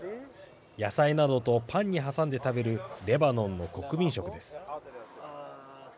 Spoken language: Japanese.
野菜などとパンに挟んで食べるレバノンの国民食です。